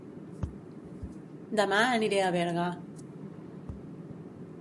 Dema aniré a Berga